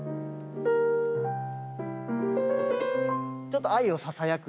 ちょっと。